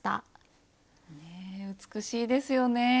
ねえ美しいですよね。